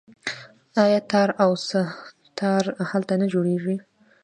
آیا تار او سه تار هلته نه جوړیږي؟